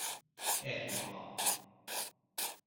اِقلیما